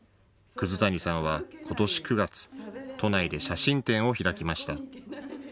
葛谷さんはことし９月、都内で写真展を開きました。